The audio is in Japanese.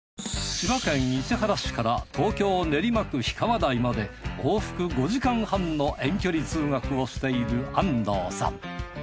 千葉県市原市から東京練馬区氷川台まで往復５時間半の遠距離通学をしている安藤さん。